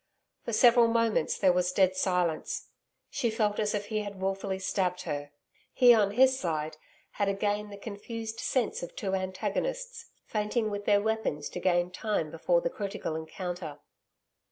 For several moments there was dead silence. She felt as if he had wilfully stabbed her. He on his side had again the confused sense of two antagonists, feinting with their weapons to gain time before the critical encounter.